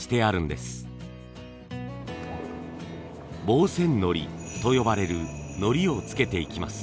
防染のりと呼ばれるのりをつけていきます。